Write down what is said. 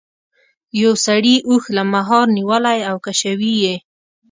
یو سړي اوښ له مهار نیولی او کشوي یې.